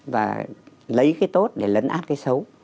và lấy cái tốt để lấn át cái xấu